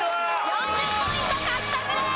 ４０ポイント獲得です！